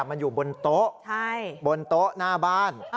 มันอยู่บนโต๊ะบนโต๊ะหน้าบ้าน